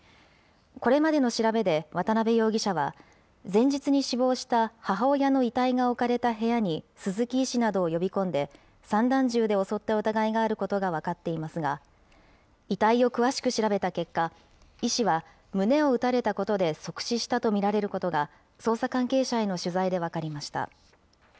これまでの調べで渡邊容疑者は、前日に死亡した母親の遺体が置かれた部屋に鈴木医師などを呼び込んで、散弾銃で襲った疑いがあることが分かっていますが、遺体を詳しく調べた結果、医師は胸を撃たれたことで即死したと見られることが、捜査関係者への取材で分かりました。